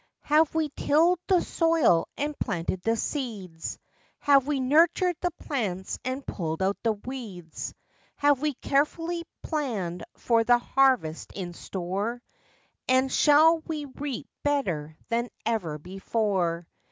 Have we tilled the soil and planted the seeds? Have we nurtured the plants and pulled out the weeds Have we carefully planned for the harvest in store? And shall we reap better than ever before?